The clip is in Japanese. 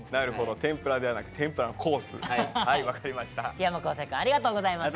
檜山光成くんありがとうございました。